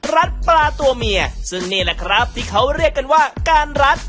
ปลาตัวเมียซึ่งนี่แหละครับที่เขาเรียกกันว่าการรัด